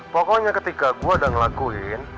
pokoknya ketika gue udah ngelakuin